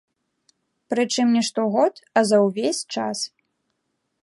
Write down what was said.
Прычым не штогод, а за ўвесь час.